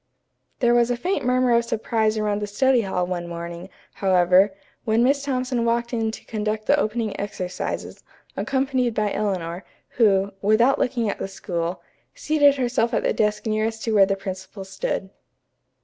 There was a faint murmur of surprise around the study hall one morning, however, when Miss Thompson walked in to conduct the opening exercises, accompanied by Eleanor, who, without looking at the school, seated herself at the desk nearest to where the principal stood.